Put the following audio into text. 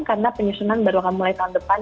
karena penyusunan baru akan mulai tahun depan